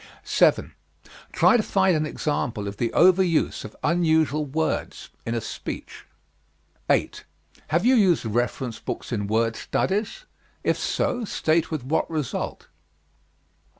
7. Try to find an example of the over use of unusual words in a speech. 8. Have you used reference books in word studies? If so, state with what result.